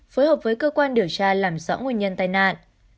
phối hợp với cơ quan điều tra làm rõ nguyên nhân tai nạn